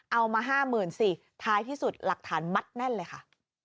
เอามา๕๐๐๐สิท้ายที่สุดหลักฐานมัดแน่นเลยค่ะ